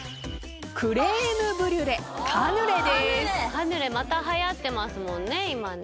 カヌレまたはやってますもんね今ね。